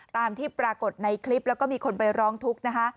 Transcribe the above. ตามที่ปรากฏในคลิปแล้วก็มีคนไปร้องทุกข์นะคะ